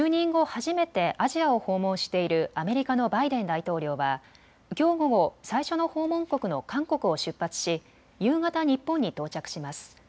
初めてアジアを訪問しているアメリカのバイデン大統領はきょう午後、最初の訪問国の韓国を出発し夕方、日本に到着します。